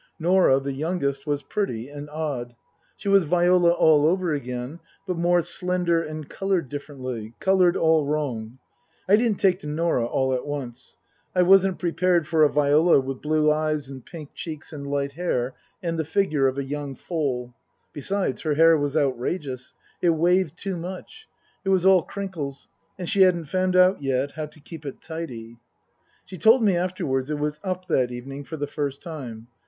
Norah, the youngest, was pretty and odd. She was Viola all over again, but more slender and coloured differently, coloured all wrong. I didn't take to Norah all at once. I wasn't prepared for a Viola with blue eyes and pink cheeks and light hair, and the figure of a young foal. Besides, her hair was outrageous ; it waved too much ; it was all crinkles, and she hadn't found out yet how to keep it tidy. She told me afterwards it was " up " that evening for the first time.